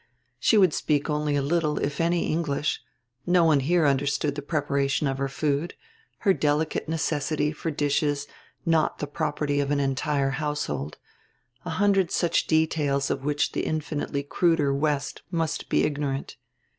She would speak only a little if any English; no one here understood the preparation of her food her delicate necessity for dishes not the property of an entire household; a hundred such details of which the infinitely cruder West must be ignorant.